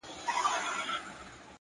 هوډ د لارې دوړې نه ویني’